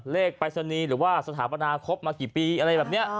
ปรายศนีย์หรือว่าสถาปนาครบมากี่ปีอะไรแบบนี้